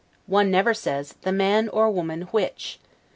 One never says, the man or the woman WHICH.